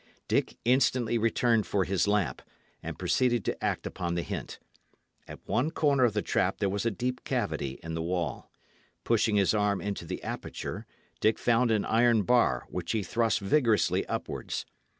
Dick instantly returned for his lamp, and proceeded to act upon the hint. At one corner of the trap there was a deep cavity in the wall. Pushing his arm into the aperture, Dick found an iron bar, which he thrust vigorously upwards.